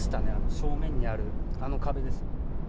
正面にある、あの壁です。